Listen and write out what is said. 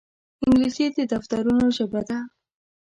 انګلیسي د دفترونو ژبه ده